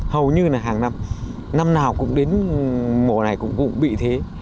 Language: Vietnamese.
hầu như là hàng năm năm nào cũng đến mổ này cũng bị thế